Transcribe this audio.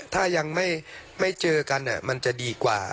ถ้ายังไม่เจอกันมันจะดีกว่า